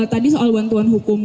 tadi soal bantuan hukum